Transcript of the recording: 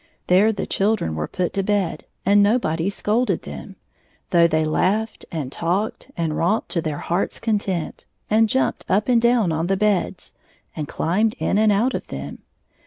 There the children were put to bed, 82 and nobody scolded them, though they laughed and talked and romped to their heart's content, and jumped up and down on the beds, and climbed in and out of them.